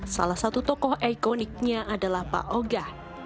salah satu tokoh ikoniknya adalah pak oga